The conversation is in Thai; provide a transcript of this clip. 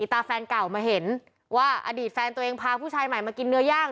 ตาแฟนเก่ามาเห็นว่าอดีตแฟนตัวเองพาผู้ชายใหม่มากินเนื้อย่าง